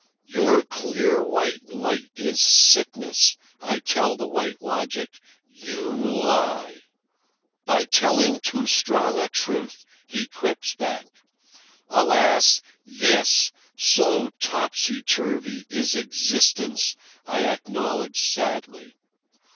"Your clear white light is sickness," I tell the White Logic. "You lie." "By telling too strong a truth," he quips back. "Alas, yes, so topsy turvy is existence," I acknowledge sadly.